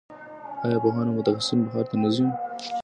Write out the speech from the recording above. آیا پوهان او متخصصین بهر ته نه ځي؟